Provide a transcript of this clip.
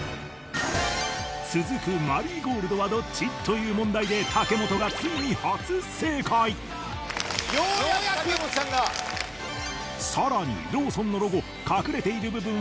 続く「マリーゴールドはどっち？」という問題で武元がついに初正解ようやく武元さんがさらに「ローソンのロゴ隠れている部分は」